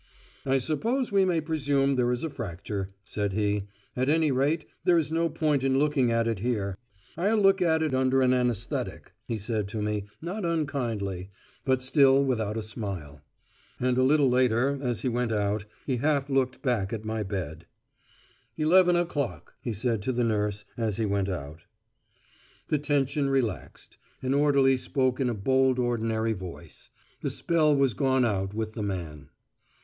"I suppose we may presume there is a fracture," said he; "at any rate there is no point in looking at it here. I'll look at it under an anæsthetic," he said to me, not unkindly, but still without a smile. And a little later, as he went out, he half looked back at my bed. "Eleven o'clock," he said to the nurse as he went out. The tension relaxed. An orderly spoke in a bold ordinary voice. The spell was gone out with the man.